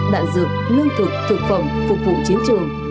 đạn dựng nương thực thực phẩm phục vụ chiến trường